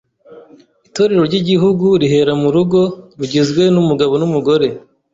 Itorero ry’igihugu rihera mu rugo rugizwe n’umugabo umugore